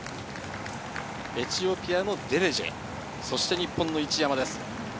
エチオピアのデレッジェ、日本の一山です。